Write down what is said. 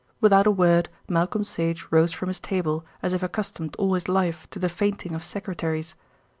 Without a word Malcolm Sage rose from his table, as if accustomed all his life to the fainting of secretaries.